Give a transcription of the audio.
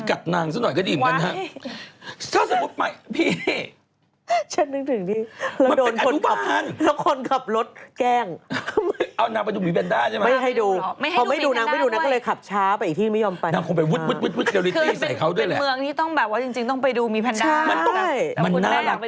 มันน่ารักจริงมันต้องไปดูอย่างนี้นะฮะแต่คุณแน่ว่าใครใครว่าใครว่าใคร